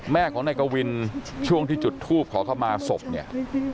แม่ของนายกวินช่วงที่จุดทูบขอเข้ามาศพเนี่ย